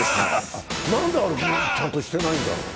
なんでちゃんとしてないんだろう。